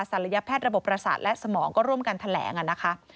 ระยะแพทย์ระบบประสาทและสมองก็ร่วมกันแถลงนะคะ